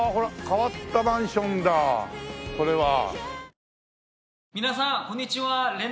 変わったマンションだこれは。